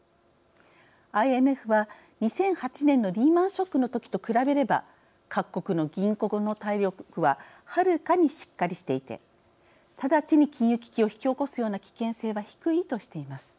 ＩＭＦは２００８年のリーマンショックの時と比べれば各国の銀行の体力ははるかにしっかりしていて直ちに金融危機を引き起こすような危険性は低いとしています。